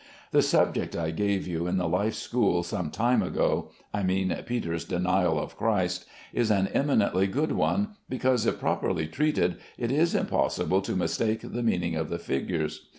The subject I gave you in the life school some time ago (I mean Peter's denial of Christ) is an eminently good one, because if properly treated it is impossible to mistake the meaning of the figures.